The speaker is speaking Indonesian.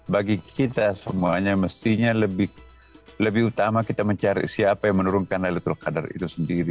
bagi kita semuanya mestinya lebih utama kita mencari siapa yang menurunkan laylatul qadar itu sendiri